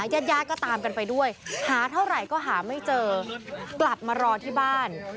ญาติญาติก็ตามกันไปด้วยหาเท่าไหร่ก็หาไม่เจอกลับมารอที่บ้าน